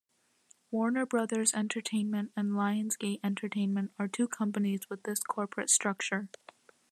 Warner Brothers Entertainment and Lionsgate Entertainment are two companies with this corporate structure.